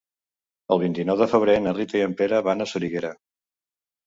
El vint-i-nou de febrer na Rita i en Pere van a Soriguera.